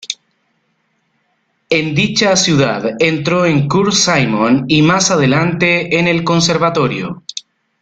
En dicha ciudad entró en Cours Simon y, más adelante, en el Conservatorio.